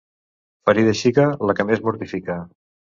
Ferida xica, la que més mortifica.